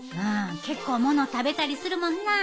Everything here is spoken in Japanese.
結構もの食べたりするもんな。